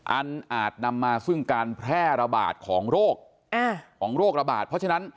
อาจนำมาซึ่งการแพร่ระบาดของโรคของโรคระบาดเพราะฉะนั้น